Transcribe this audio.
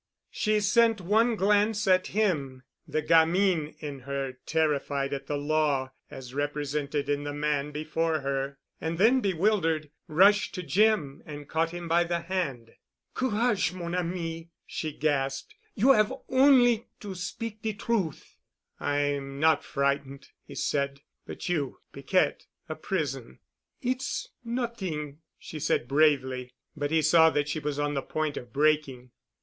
She sent one glance at him, the gamine in her terrified at the Law as represented in the man before her, and then bewildered, rushed to Jim and caught him by the hand. "Courage, mon ami," she gasped. "You 'ave on'y to speak de truth." "I'm not frightened," he said, "but you, Piquette—a prison——" "It's not'ing——" she said bravely, but he saw that she was on the point of breaking.